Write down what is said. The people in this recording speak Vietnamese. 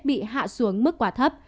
bị hạ xuống mức quá thấp